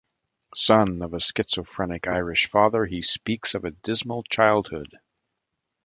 The son of a schizophrenic Irish father, he speaks of a dismal childhood.